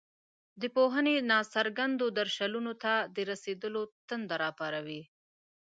دا پوهنې ناڅرګندو درشلونو ته د رسېدلو تنده راپاروي.